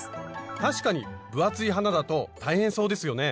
確かに分厚い花だと大変そうですよね。